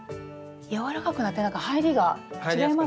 柔らかくなってなんか入りが違いますね。